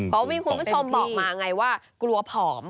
บ๊าววิงคุณผู้ชมบอกมาไงว่ากลัวผอม